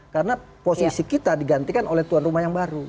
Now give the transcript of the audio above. karena posisi kita digantikan oleh tuan rumah yang baru